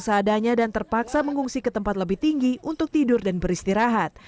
seadanya dan terpaksa mengungsi ke tempat lebih tinggi untuk tidur dan beristirahat